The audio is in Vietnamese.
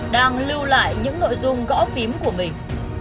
đang lưu lại những nội dung gõ phím của mình